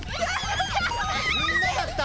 みんなだった！